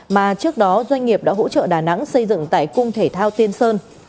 mà trước đó doanh nghiệp đã hỗ trợ đà nẵng xây dựng tại cung thể thao tiên sơn